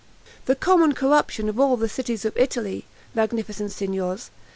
"The common corruption of all the cities of Italy, magnificent Signors!